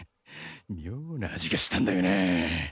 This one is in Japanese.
妙な味がしたんだよなぁ。